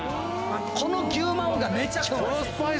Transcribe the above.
この牛魔王がめっちゃうまい。